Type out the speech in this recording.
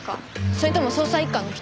それとも捜査一課の人？